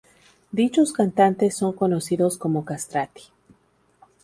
Dichos cantantes son conocidos como "castrati".